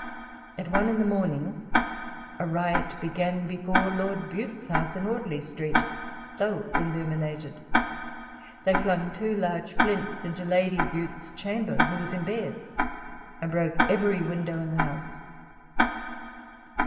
At one in the morning a riot began before Lord Bute's house, in Audley Street, though illuminated. They E— 27 130 walpole's letters. flung two large flints into Lady Bute's chamber, who was in bed, and broke every window in the house.